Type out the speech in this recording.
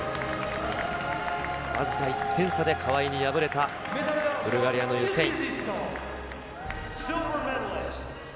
僅か１点差で川井に敗れたブルガリアのユセイン。